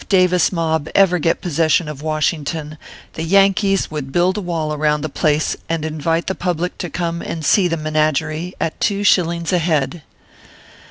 Davis mob ever get posses sion of Washington, the Yankees would build a wall around the place, and invite the public to come and see the menagerie, at two shillings a head.